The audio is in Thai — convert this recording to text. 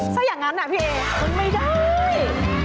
ถ้าอย่างนั้นนะพี่เอมันไม่ได้